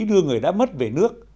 đưa người đã mất về nước